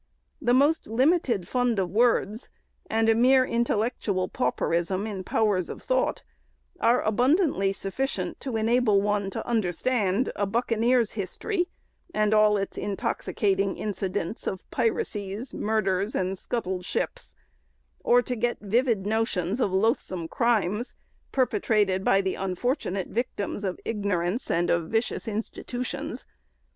The most limited fund of words, and a mere intellectual pauperism in powers of thought, are abundantly sufficient to enable one to understand a buccaneer's history, and all its intoxi cating incidents of piracies, murders, and scuttled ships ;— or to get vivid notions of loathsome crimes, perpe trated by the unfortunate victims of ignorance and of vicious institutions.